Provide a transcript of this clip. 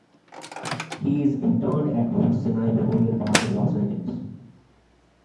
He is interred at Mount Sinai Memorial Park in Los Angeles.